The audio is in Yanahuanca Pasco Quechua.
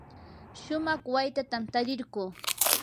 shumaq waytatam tarirquu.